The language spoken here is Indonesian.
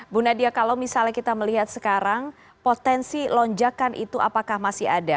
bu nadia kalau misalnya kita melihat sekarang potensi lonjakan itu apakah masih ada